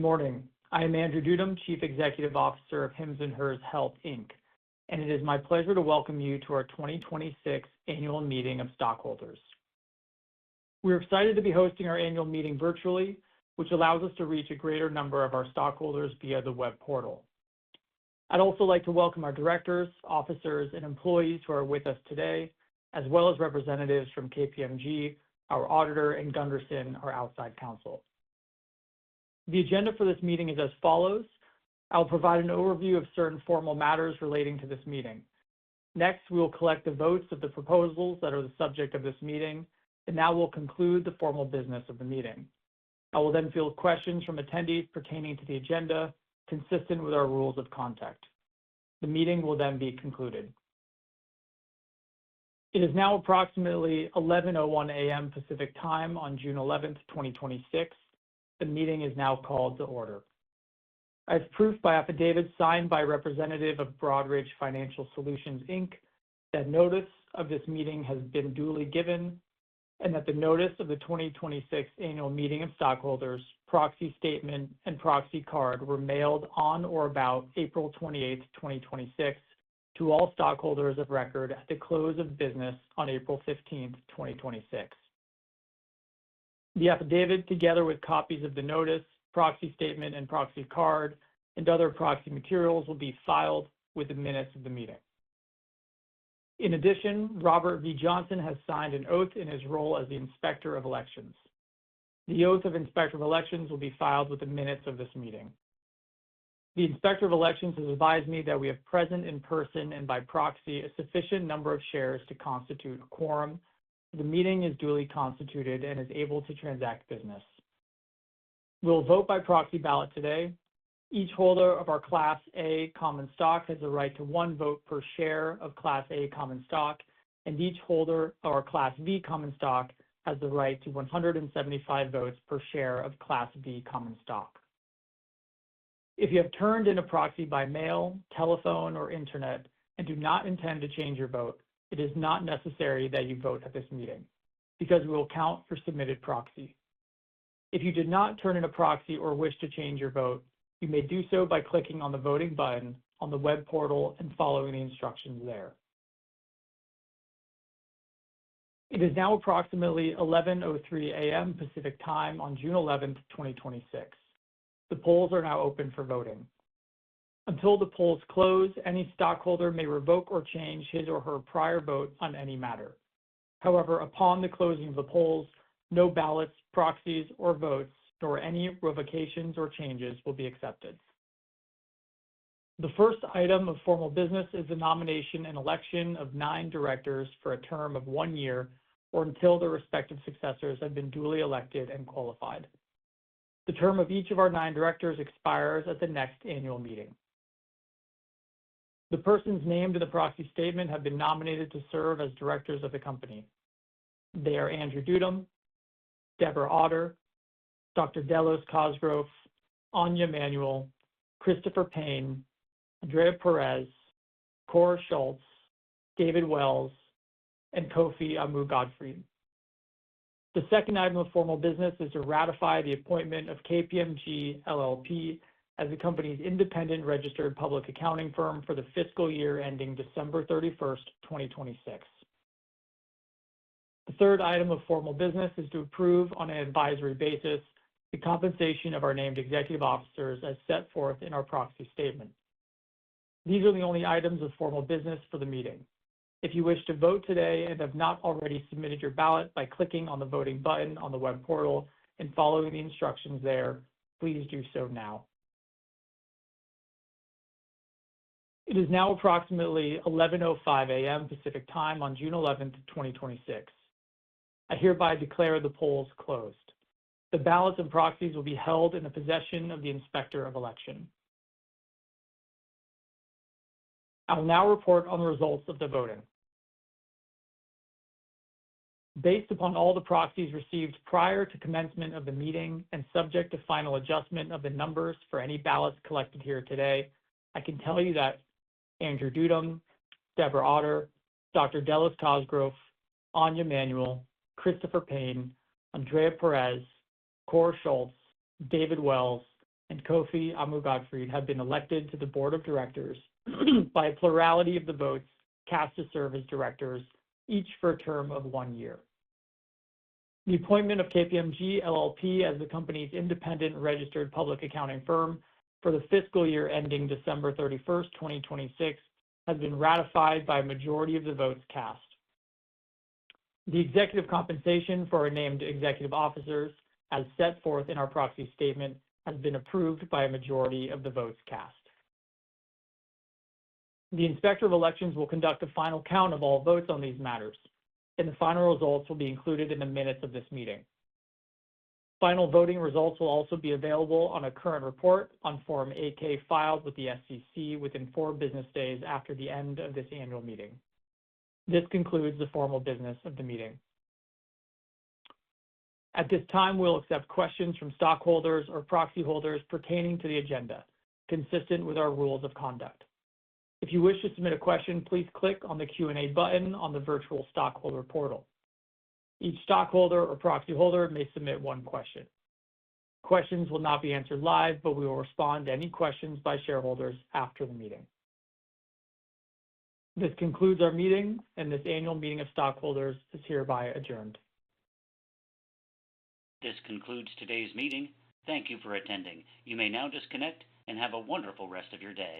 Good morning. I am Andrew Dudum, Chief Executive Officer of Hims & Hers Health, Inc., and it is my pleasure to welcome you to our 2026 Annual Meeting of Stockholders. We're excited to be hosting our annual meeting virtually, which allows us to reach a greater number of our stockholders via the web portal. I'd also like to welcome our directors, officers, and employees who are with us today, as well as representatives from KPMG, our auditor, and Gunderson, our outside counsel. The agenda for this meeting is as follows. I will provide an overview of certain formal matters relating to this meeting. We will collect the votes of the proposals that are the subject of this meeting, and that will conclude the formal business of the meeting. I will field questions from attendees pertaining to the agenda consistent with our rules of conduct. The meeting will be concluded. It is now approximately 11:01 A.M. Pacific Time on June 11th, 2026. The meeting is now called to order. As proof by affidavit signed by representative of Broadridge Financial Solutions, Inc., that notice of this meeting has been duly given and that the notice of the 2026 Annual Meeting of Stockholders proxy statement and proxy card were mailed on or about April 28th, 2026, to all stockholders of record at the close of business on April 15th, 2026. The affidavit, together with copies of the notice, proxy statement, and proxy card, and other proxy materials, will be filed with the minutes of the meeting. In addition, Robert V. Johnson has signed an oath in his role as the Inspector of Elections. The Oath of Inspector of Elections will be filed with the minutes of this meeting. The Inspector of Elections has advised me that we have present in person and by proxy a sufficient number of shares to constitute a quorum, and the meeting is duly constituted and is able to transact business. We will vote by proxy ballot today. Each holder of our Class A common stock has the right to one vote per share of Class A common stock, and each holder of our Class V common stock has the right to 175 votes per share of Class V common stock. If you have turned in a proxy by mail, telephone, or internet and do not intend to change your vote, it is not necessary that you vote at this meeting because we will count for submitted proxy. If you did not turn in a proxy or wish to change your vote, you may do so by clicking on the voting button on the web portal and following the instructions there. It is now approximately 11:03 A.M. Pacific Time on June 11th, 2026. The polls are now open for voting. Until the polls close, any stockholder may revoke or change his or her prior vote on any matter. Upon the closing of the polls, no ballots, proxies, votes or any revocations or changes will be accepted. The first item of formal business is the nomination and election of nine directors for a term of one year or until their respective successors have been duly elected and qualified. The term of each of our nine directors expires at the next annual meeting. The persons named in the proxy statement have been nominated to serve as directors of the company. They are Andrew Dudum, Deb Autor, Dr. Delos Cosgrove, Anja Manuel, Christopher Payne, Andrea Perez, Kåre Schultz, David Wells, and Kofi Amoo-Gottfried. The second item of formal business is to ratify the appointment of KPMG LLP as the company's independent registered public accounting firm for the fiscal year ending December 31st, 2026. The third item of formal business is to approve on an advisory basis the compensation of our named executive officers as set forth in our proxy statement. These are the only items of formal business for the meeting. If you wish to vote today and have not already submitted your ballot by clicking on the voting button on the web portal and following the instructions there, please do so now. It is now approximately 11:05 A.M. Pacific Time on June 11th, 2026. I hereby declare the polls closed. The ballots and proxies will be held in the possession of the Inspector of Election. I will now report on the results of the voting. Based upon all the proxies received prior to commencement of the meeting and subject to final adjustment of the numbers for any ballots collected here today, I can tell you that Andrew Dudum, Deb Autor, Dr. Delos Cosgrove, Anja Manuel, Christopher Payne, Andrea Perez, Kåre Schultz, David Wells, and Kofi Amoo-Gottfried have been elected to the board of directors by a plurality of the votes cast to serve as directors, each for a term of one year. The appointment of KPMG LLP as the company's independent registered public accounting firm for the fiscal year ending December 31st, 2026, has been ratified by a majority of the votes cast. The executive compensation for our named executive officers, as set forth in our proxy statement, has been approved by a majority of the votes cast. The Inspector of Elections will conduct a final count of all votes on these matters, and the final results will be included in the minutes of this meeting. Final voting results will also be available on a current report on Form 8-K filed with the SEC within four business days after the end of this annual meeting. This concludes the formal business of the meeting. At this time, we'll accept questions from stockholders or proxy holders pertaining to the agenda consistent with our rules of conduct. If you wish to submit a question, please click on the Q&A button on the virtual stockholder portal. Each stockholder or proxy holder may submit one question. Questions will not be answered live, but we will respond to any questions by shareholders after the meeting. This concludes our meeting, and this annual meeting of stockholders is hereby adjourned. This concludes today's meeting. Thank you for attending. You may now disconnect, and have a wonderful rest of your day